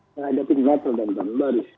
menghadapi natal dan baru